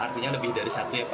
artinya lebih dari satu ya pak